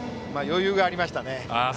余裕がありましたね。